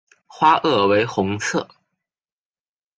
花萼为红色。